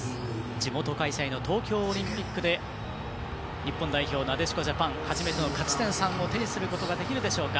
地元開催の東京オリンピックでなでしこジャパン初めての勝ち点３を手にすることできるでしょうか。